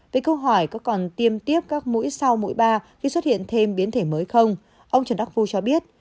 với câu hỏi có còn tiêm tiếp các mũi sau mũi ba khi xuất hiện thêm biến thể mới không ông trần đắc phu cho biết